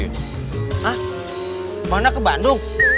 hah bangdak ke bandung